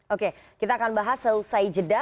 oke kita akan bahas selesai jeda